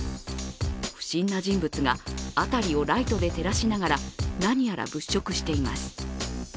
不審な人物が辺りをライトで照らしながら何やら物色しています。